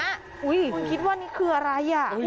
อุ้ยคุณคิดว่านี่คืออะไรอ่ะ